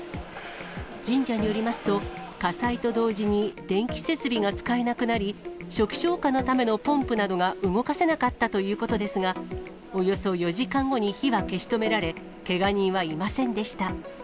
神社によりますと、火災と同時に電気設備が使えなくなり、初期消火のためのポンプなどが動かせなかったということですが、およそ４時間後に火は消し止められ、けが人はいませんでした。